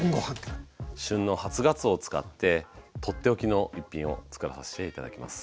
旬の初がつおを使って取って置きの１品を作らさして頂きます。